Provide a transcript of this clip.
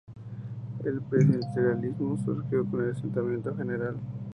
El presidencialismo surgió con el asentimiento general.